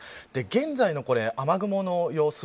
現在の雨雲の様子。